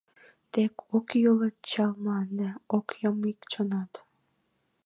Тек ок йӱлӧ чал мланде, ок йом ик чонат.